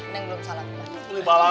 neng belum salam